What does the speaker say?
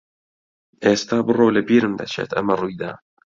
ئێستا بڕۆ و لەبیرم دەچێت ئەمە ڕووی دا.